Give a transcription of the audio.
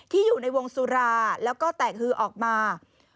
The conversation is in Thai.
อยู่ในวงสุราแล้วก็แตกฮือออกมา